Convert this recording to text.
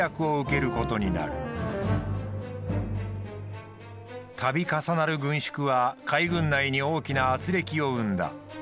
たび重なる軍縮は海軍内に大きな軋轢を生んだ。